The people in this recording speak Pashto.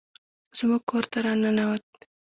زموږ کور ته راننوت